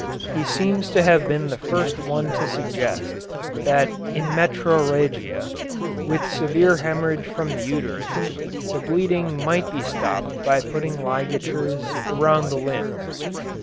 He seems to have been the first one to suggest that in metrorrhagia, with severe hemorrhage from the uterus, the bleeding might be stopped by putting ligatures around the limbs.